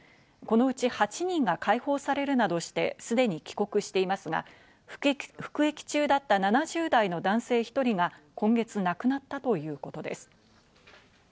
このうち８人が解放されるなどして、すでに帰国していますが、服役中だった７０代の男性１人が今月亡くなったということです。